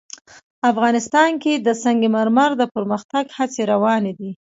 افغانستان کې د سنگ مرمر د پرمختګ هڅې روانې دي.